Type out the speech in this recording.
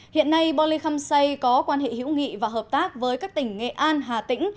hiện nay boli khăm xây có quan hệ hữu nghị và hợp tác với các tỉnh nghệ an hà tĩnh